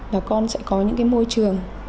là con sẽ có những môi trường